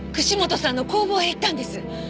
串本さんの工房へ行ったんです。